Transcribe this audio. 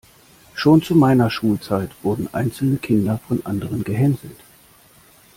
Schon zu meiner Schulzeit wurden einzelne Kinder von anderen gehänselt.